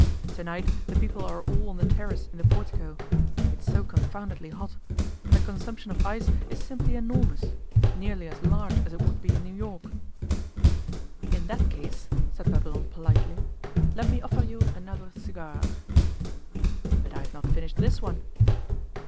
To night the people are all on the terrace in the portico it's so confoundedly hot and the consumption of ice is simply enormous nearly as large as it would be in New York.' 'In that case,' said Babylon politely, 'let me offer you another cigar.' 'But I have not finished this one.